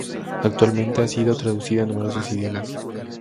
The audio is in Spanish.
Actualmente ha sido traducida a numerosos idiomas.